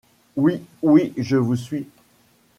Oui, oui, je vous suis.